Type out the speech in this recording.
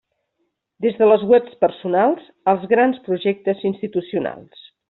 Des de les webs personals als grans projectes institucionals.